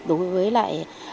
đối với lại